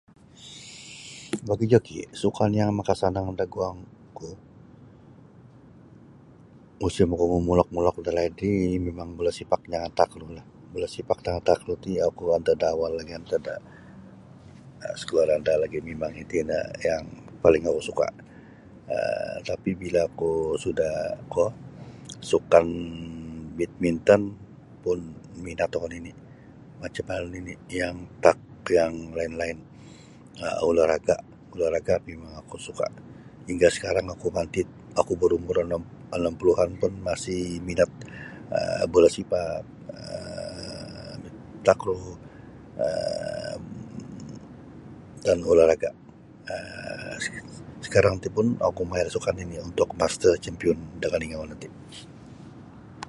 Bagi joki sukan yang makasanang da guang ku musim ku momulok mulok da laid ri mimang bola sepak jangan takraw lah bola sepak jangan bola takraw ti oku antad da awal lagi antad da um skula randah lagi mimang iti nio yang paling oku suka um tapi bila ku suda kuo sukan badminton pun minat oku nini macam manu nini yang tak yang lain-lain olahraga um olahraga mimang aku suka hingga sekarang aku manti aku berumur enam puluhan pun masi minat um bola sepak um takraw um dan olahraga sekarang ti pun um oku maya da sukan nini untuk master champion da Keningau nanti.